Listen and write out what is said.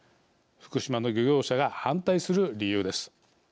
福島の漁業者が反対する理由です。